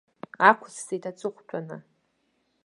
Ақәысҵеит аҵыхәтәаны.